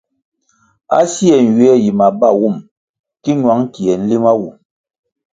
A sie nywie yi mabawum ki ñwang kie nlima wu.